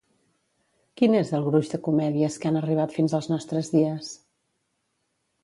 Quin és el gruix de comèdies que han arribat fins als nostres dies?